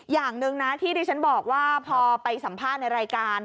อย่างหนึ่งนะที่ดิฉันบอกว่าพอไปสัมภาษณ์ในรายการ